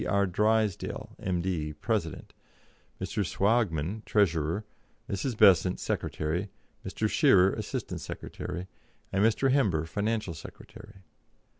R. Drysdale, M.D., President; Mr. Swaagman, Treasurer; Mrs. Besant, Secretary; Mr. Shearer, Assistant Secretary; and Mr. Hember, Financial Secretary.